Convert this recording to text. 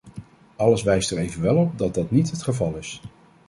Alles wijst er evenwel op dat dat niet het geval is.